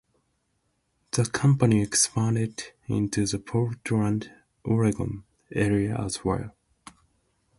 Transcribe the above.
The company expanded into the Portland, Oregon, area as well.